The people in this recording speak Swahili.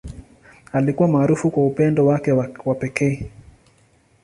Alikuwa maarufu kwa upendo wake wa pekee.